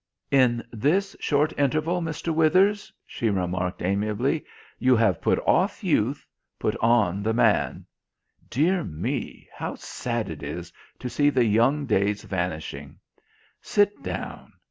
"In this short interval, Mr. Withers," she remarked amiably, "you have put off youth, put on the man. Dear me, how sad it is to see the young days vanishing! Sit down.